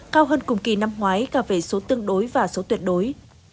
cao hơn cùng kỳ năm ngoái cả về số tương đối và số tuyệt đối